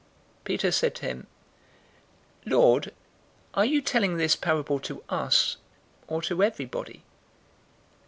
012:041 Peter said to him, "Lord, are you telling this parable to us, or to everybody?"